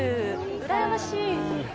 うらやましい。